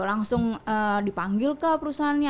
langsung dipanggil ke perusahaannya